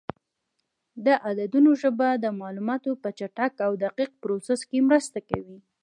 د عددونو ژبه د معلوماتو په چټک او دقیق پروسس کې مرسته کوي.